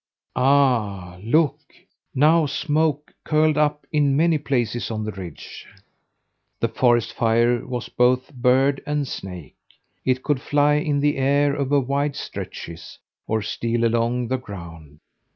Ah, look! Now smoke curled up in many places on the ridge. The forest fire was both bird and snake. It could fly in the air over wide stretches, or steal along the ground.